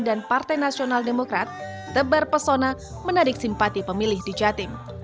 dan partai nasional demokrat tebar persona menarik simpati pemilih di jatim